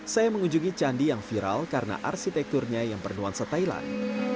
saya mengunjungi candi yang viral karena arsitekturnya yang bernuansa thailand